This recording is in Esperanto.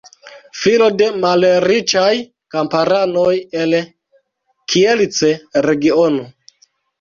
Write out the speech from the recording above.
Filo de malriĉaj kamparanoj el Kielce-regiono.